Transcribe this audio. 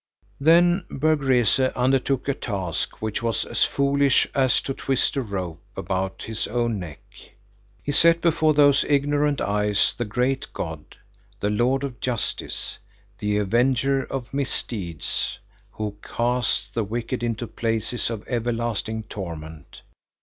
Then Berg Rese undertook a task which was as foolish as to twist a rope about his own neck. He set before those ignorant eyes the great God, the Lord of justice, the Avenger of misdeeds, who casts the wicked into places of everlasting torment.